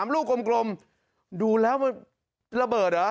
ลูกกลมดูแล้วมันระเบิดเหรอ